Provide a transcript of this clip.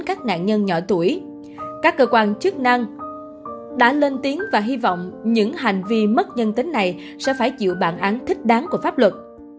các cơ quan chức năng đã lên tiếng và hy vọng những hành vi mất nhân tính này sẽ phải chịu bản án thích đáng của pháp luật